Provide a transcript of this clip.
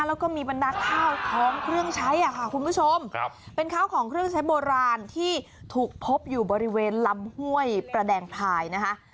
แล้วก็มีบรรดาข้าวของเครื่องใช้ค่ะคุณผู้ชมเป็นข้าวของเครื่องใช้โบราณที่ถูกพบอยู่บริเวณลำห้วยประแดงพายนะคะ